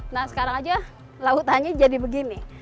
nah sekarang aja lautannya jadi begini